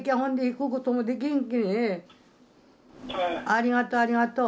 ありがとうありがとう。